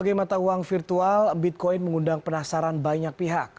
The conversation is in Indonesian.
sebagai mata uang virtual bitcoin mengundang penasaran banyak pihak